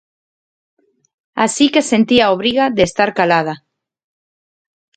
Así que sentía a obriga de estar calada.